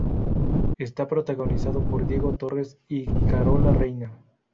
Está protagonizado por Diego Torres y Carola Reyna.